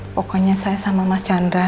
pokoknya saya sama mas chandra